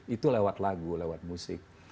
itu lewat lagu lewat musik